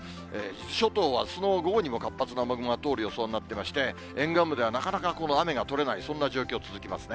伊豆諸島はあすの午後にも活発な雨雲が通る予想になってまして、沿岸部ではなかなかこの雨が取れない、そんな状況、続きますね。